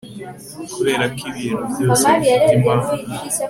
kubera ko ibintu byose bifite impamvu